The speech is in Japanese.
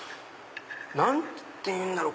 何て言うんだろう？